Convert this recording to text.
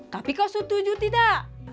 tapi kau setuju tidak